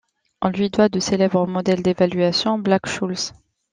On lui doit le célèbre modèle d'évaluation Black-Scholes.